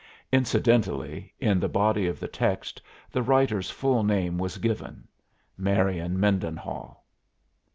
Incidentally, in the body of the text, the writer's full name was given Marian Mendenhall.